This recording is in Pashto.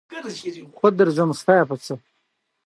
جلسې ولې باید لنډې وي؟